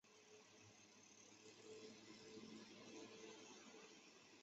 他是将尖端电子技术广泛运用到民用产品的先驱者。